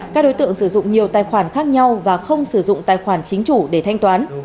các đối tượng sử dụng nhiều tài khoản khác nhau và không sử dụng tài khoản chính chủ để thanh toán